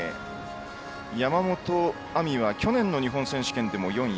山本亜美は去年の日本選手権でも４位。